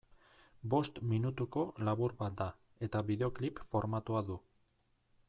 Bost minutuko labur bat da, eta bideoklip formatua du.